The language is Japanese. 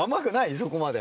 そこまで。